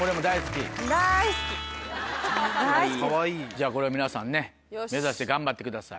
じゃあこれを皆さん目指して頑張ってください。